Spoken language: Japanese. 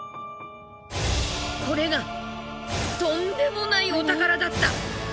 これがとんでもないお宝だった！